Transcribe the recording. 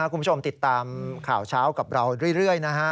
คุณผู้ชมติดตามข่าวเช้ากับเราเรื่อยนะฮะ